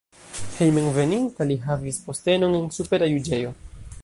Hejmenveninta li havis postenojn en supera juĝejo.